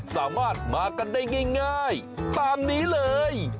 สามารถมากันได้ง่ายตามนี้เลย